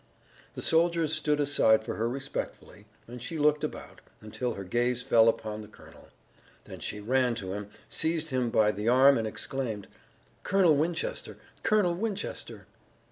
The soldiers stood aside for her respectfully, and she looked about, until her gaze fell upon the colonel. Then she ran to him, seized him by the arm, and exclaimed: "Colonel Winchester! Colonel Winchester!"